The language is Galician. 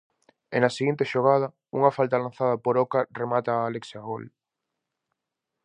E na seguinte xogada, unha falta lanzada por Oca remátaa Álex a gol.